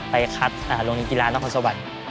คัดโรงเรียนกีฬานครสวรรค์